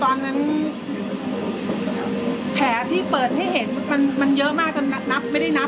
ตอนนั้นแผลที่เปิดให้เห็นมันเยอะมากแผลไม่ได้นับ